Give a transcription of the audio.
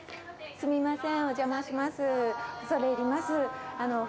すみません。